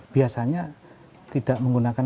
biasanya tidak menggunakan